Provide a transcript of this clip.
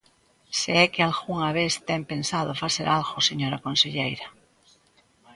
Se é que algunha vez ten pensado facer algo, señora conselleira.